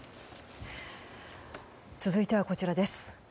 続いてはこちらです。